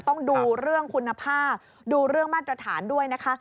ต้องดูเรื่องคุณภาพดูเรื่องมาตรฐานด้วยนะคะ